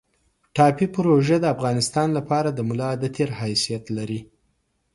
ټاپي پروژه د افغانستان لپاره د ملا د تیر حیثیت لري